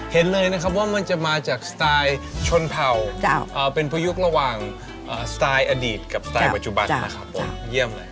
เป็นชนเผ่าเป็นประยุกต์ระหว่างสไตล์อดีตของสไตล์ปัจจุบัน